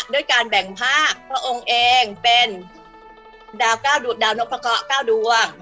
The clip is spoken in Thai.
ด้วยการแบ่งภาคพระองค์เองเป็นดาวนกภาคเก้าดวง